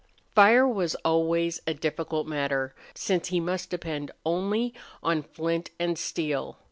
Fire was always a difficult matter, since he must depend only on flint and steel.